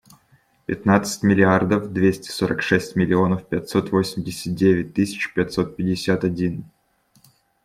Пятнадцать миллиардов двести сорок шесть миллионов пятьсот восемьдесят девять тысяч пятьсот пятьдесят один.